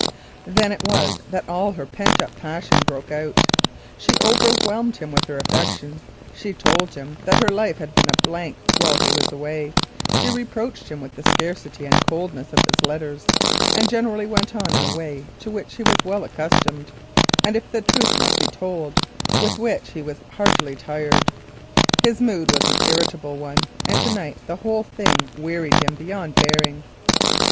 Then it was that all her pent up passion broke out. She overwhelmed him with her affection, she told him that her life had been a blank while he was away, she reproached him with the scarcity and coldness of his letters, and generally went on in a way with which he was but too well accustomed, and, if the truth must be told, heartily tired. His mood was an irritable one, and to night the whole thing wearied him beyond bearing.